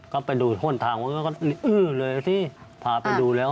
ก็ไปดูห้นทางอื้อเลยพาไปดูแล้ว